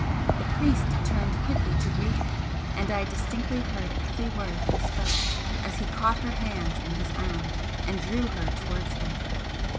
The priest turned quickly to greet her, and I distinctly heard every word he spoke as he caught her hands in his own and drew her towards him.